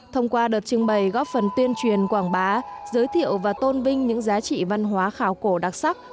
thông qua đợt trưng bày góp phần tuyên truyền quảng bá giới thiệu và tôn vinh những giá trị văn hóa khảo cổ đặc sắc